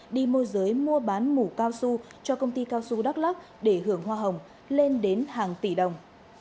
đi môi giới mua bán mũ cao su cho công ty cao su đắk lắc để hưởng hoa hồng lên đến hàng tỷ đồng